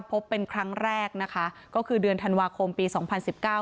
พบเป็นครั้งแรกนะคะก็คือเดือนธันวาคมปีสองพันสิบเก้า